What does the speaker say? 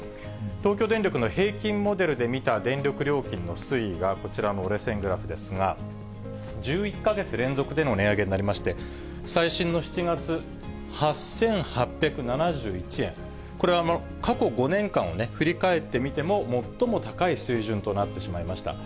東京電力の平均モデルで見た電力料金の推移がこちらの折れ線グラフですが、１１か月連続での値上げになりまして、最新の７月８８７１円、これは過去５年間を振り返ってみても、最も高い水準となってしまいました。